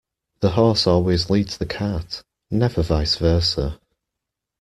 The horse always leads the cart, never vice versa.